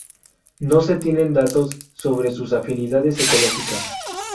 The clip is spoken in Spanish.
No se tienen datos sobre sus afinidades ecológicas.